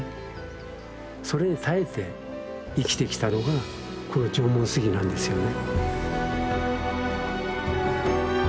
それに耐えて生きてきたのがこの縄文杉なんですよね。